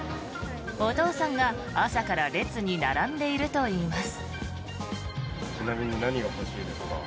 お父さんが朝から列に並んでいるといいます。